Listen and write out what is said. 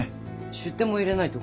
出典も入れないと。